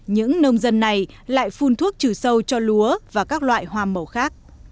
những nông dân này lại phun thuốc trừ sâu cho lúa và các loại hoa màu khác